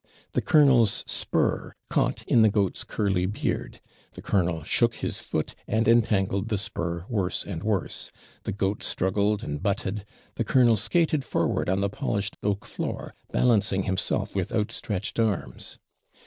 The colonel's spur caught in the goat's curly beard; the colonel shook his foot, and entangled the spur worse and worse; the goat struggled and butted; the colonel skated forward on the polished oak floor, balancing himself with outstretched arms.